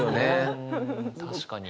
確かに。